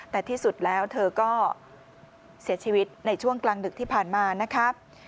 แต่ที่สุดแล้วเธอก็เสียชีวิตในช่วงกลางดึกที่ผ่านมานะครับ